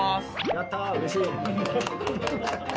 やったうれしい。